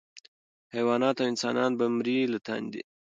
حیوانان او انسانان به مري له تندي